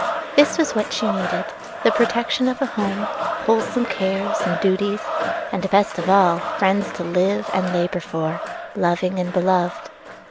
This was what she needed, the protection of a home, wholesome cares and duties; and, best of all, friends to live and labor for, loving and beloved.